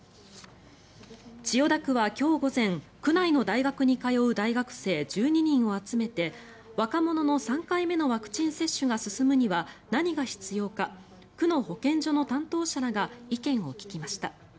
千代田区は今日午前区内の大学に通う大学生１２人を集めて若者の３回目のワクチン接種が進むには何が必要か区の保健所の担当者らが意見を聞きました。